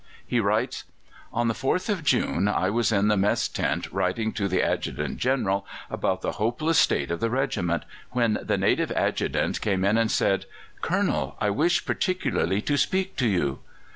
He writes: "On the 4th of June I was in the mess tent writing to the Adjutant General about the hopeless state of the regiment, when the native Adjutant came in and said: "'Colonel, I wish particularly to speak to you.